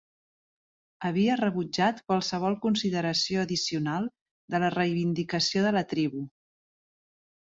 Havia rebutjat qualsevol consideració addicional de la reivindicació de la tribu.